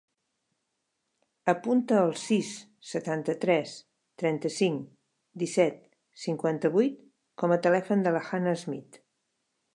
Apunta el sis, setanta-tres, trenta-cinc, disset, cinquanta-vuit com a telèfon de la Hannah Smith.